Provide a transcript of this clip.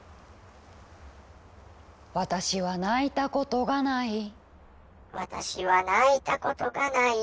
「私は泣いたことがない」「私は泣いたことがない」